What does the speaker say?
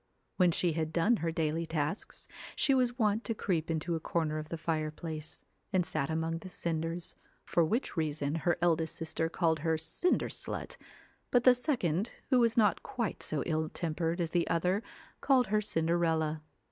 When she had done her daily tasks, she was wont to creep into a corner of the fireplace, and sat among the cinders, for which reason her eldest sister called her Cinder slut, but the second who was not quite so ill tempered as the other, called her Cinderella.